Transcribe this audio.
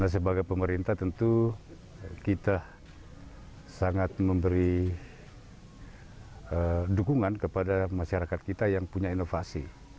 sebagai pemerintah tentu kita sangat memberi dukungan kepada masyarakat kita yang punya inovasi